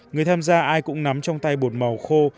người tham gia ai cũng nắm trong tay bột màu khô